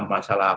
ada masalah apa